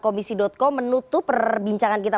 komisi co menutup perbincangan kita